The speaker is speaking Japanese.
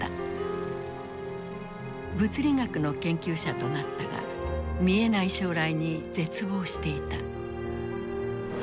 物理学の研究者となったが見えない将来に絶望していた。